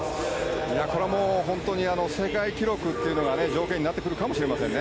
これも本当に、世界記録が条件になってくるかもしれませんね。